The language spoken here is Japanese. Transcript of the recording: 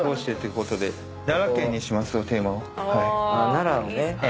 奈良をね。